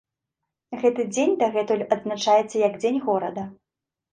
Гэты дзень дагэтуль адзначаецца як дзень горада.